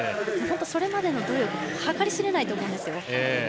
本当、それまでの努力は計り知れないと思うんですよ。